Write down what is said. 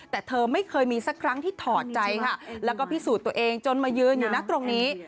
แต่เธอไม่เคยมีสักครั้งที่ถอดใจค่ะแล้วก็พิสูจน์ตัวเองจนมายืนอยู่นะตรงนี้